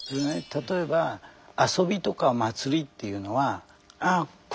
例えば遊びとか祭りっていうのはああ